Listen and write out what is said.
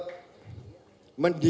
ada yang menganggap